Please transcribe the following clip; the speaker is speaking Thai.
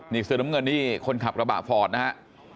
นี่เสื้อน้ำเงินนี่คนขับกระบะฟอร์ดนะฮะ